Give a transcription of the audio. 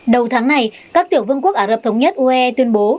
đầu tháng này các tiểu vương quốc ả rập thống nhất uae tuyên bố